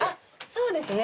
そうですね。